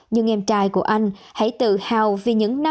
nhưng em trai của anh hãy tự hào vì những năm